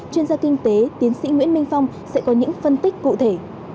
chuyên gia kinh tế tiến sĩ nguyễn minh phong sẽ có những phân tích cụ thể